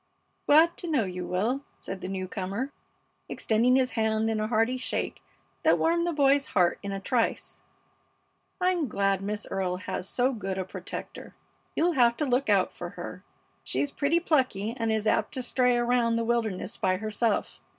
"Glad to know you, Will," said the new comer, extending his hand in a hearty shake that warmed the boy's heart in a trice. "I'm glad Miss Earle has so good a protector. You'll have to look out for her. She's pretty plucky and is apt to stray around the wilderness by herself.